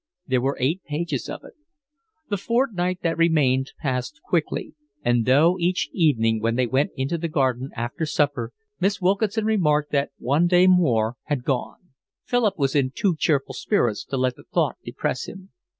There were eight pages of it. The fortnight that remained passed quickly, and though each evening, when they went into the garden after supper, Miss Wilkinson remarked that one day more had gone, Philip was in too cheerful spirits to let the thought depress him.